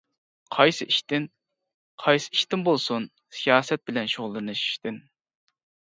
-قايسى ئىشتىن؟ -قايسى ئىشتىن بولسۇن؟ سىياسەت بىلەن شۇغۇللىنىشتىن!